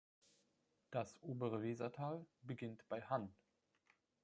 Das obere Wesertal beginnt bei Hann.